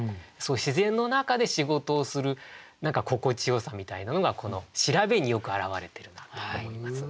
自然の中で仕事をする何か心地よさみたいなのがこの調べによく表れてるなと思います。